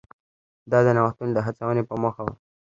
دا د نوښتونو د هڅونې په موخه و.